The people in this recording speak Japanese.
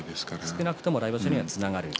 少なくとも来場所にはつながる。